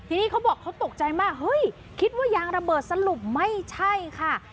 ทีนี้เขาบอกเขาตกใจมากเฮ้ยคิดว่ายางระเบิดสรุปไม่ใช่ค่ะ